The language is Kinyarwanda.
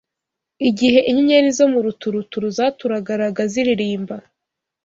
Igihe inyenyeri zo mu ruturuturu zaturagaraga ziririmba